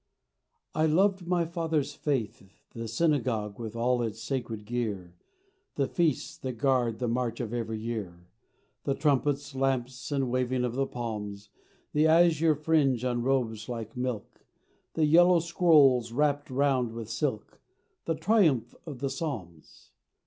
I loved my father's faith: The synagogue with all its sacred gear, The feasts that guard the march of every year, The trumpets, lamps, and waving of the palms, The azure fringe on robes like milk, The yellow scrolls wrapped round with silk, The triumph of the Psalms.